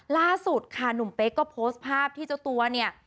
ล่าสุดค่ะหนุ่มเป๊กก็โพสต์ภาพที่เจ้าตัวเนี่ย